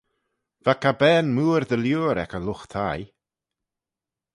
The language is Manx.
Va cabbane mooar dy liooar ec y lught thie.